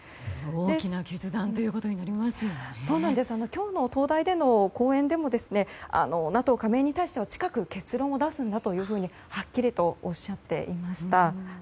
今日の東大での講演でもＮＡＴＯ加盟に対しては近く結論を出すんだとはっきりとおっしゃっていました。